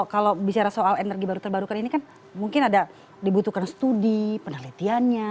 kalau bicara soal energi baru terbarukan ini kan mungkin ada dibutuhkan studi penelitiannya